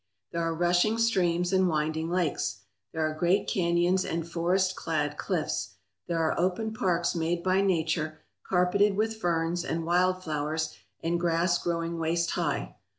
There are rushing streams and winding lakes. There are great canyons and forest clad cliffs. There are open parks made by Nature carpeted with ferns and wild flowers and grass growing waist high.